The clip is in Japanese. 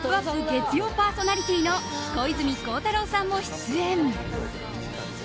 月曜パーソナリティーの小泉孝太郎さんも出演。